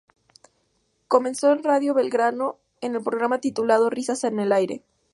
Comenzó en Radio Belgrano en el programa titulado "Risas en el aire".